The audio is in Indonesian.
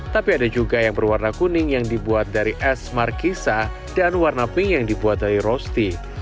tapi ada juga yang berwarna kuning yang dibuat dari es markisa dan warna pink yang dibuat dari roaste